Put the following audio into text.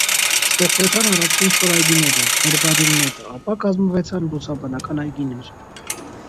Ստեղծուեցան առաջին «չոր այգիները»՝ հերբարիումները, ապա կազմուեցան բուսաբանական այգիներ։